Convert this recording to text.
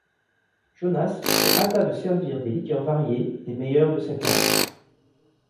Jonas se hâta de servir des liqueurs variées, les meilleures de sa cave.